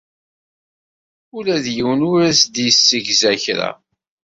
Ula d yiwen ur aɣ-d-yessegza kra.